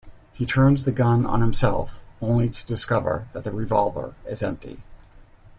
He turns the gun on himself, only to discover that the revolver is empty.